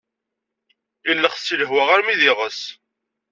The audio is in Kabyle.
Illexs si lehwa armi d iɣes.